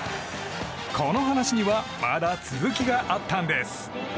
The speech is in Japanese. この話はまだ続きがあったんです。